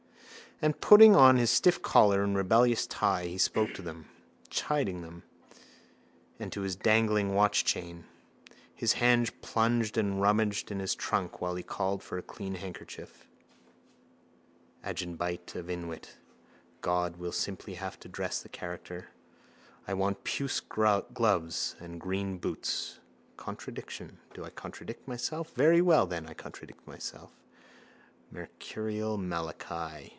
And putting on his stiff collar and rebellious tie he spoke to them, chiding them, and to his dangling watchchain. His hands plunged and rummaged in his trunk while he called for a clean handkerchief. God, we'll simply have to dress the character. I want puce gloves and green boots. Contradiction. Do I contradict myself? Very well then, I contradict myself. Mercurial Malachi.